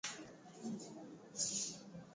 Apatu ni paka una uza nyumba yako njo unakuya pazuri